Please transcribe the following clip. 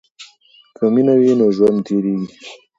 که مینه وي نو ژوند تیریږي.